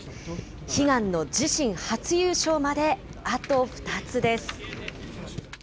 悲願の自身初優勝まであと２つです。